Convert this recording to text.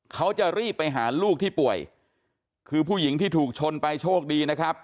เขาจะรีบไปหาลูกที่ป่วยคือผู้หญิงที่ถูกชนไปโชคดีนะครับ